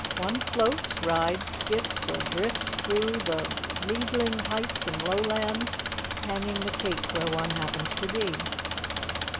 One floats, rides, skips or drifts through the leadling heights and lowlands, hanging the cape where one happens to be."